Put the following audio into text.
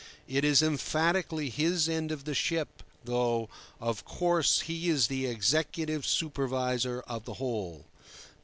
It is emphatically his end of the ship, though, of course, he is the executive supervisor of the whole.